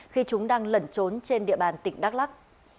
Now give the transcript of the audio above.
khi chúng đang lẩn trốn trên địa bàn tỉnh đắk lắc